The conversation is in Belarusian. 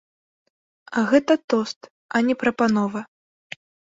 А гэта тост, а не прапанова.